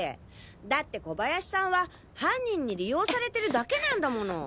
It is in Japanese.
だって小林さんは犯人に利用されてるだけなんだもの。